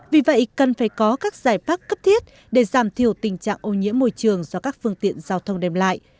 vì vậy cần phải có các giải pháp cấp thiết để giảm thiểu tình trạng ô nhiễm môi trường do các phương tiện giao thông đem lại